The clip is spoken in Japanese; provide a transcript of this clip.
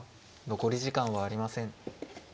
残り時間はありません。